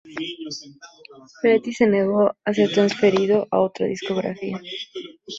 Petty se negó a ser transferido a otra discográfica.